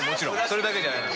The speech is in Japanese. それだけじゃない。